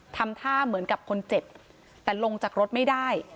ทำท่าเหมือนกับคนเจ็บแต่ลงจากรถไม่ได้